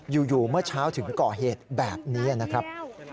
อยู่เมื่อเช้าถึงก่อเหตุแบบนี้นะครับ